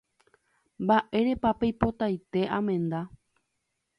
Mba'éretepa peipotaite amenda